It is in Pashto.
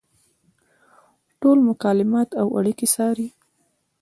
ټول مکالمات او اړیکې څاري.